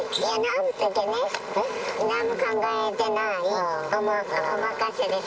なんも考えてない、お任せです。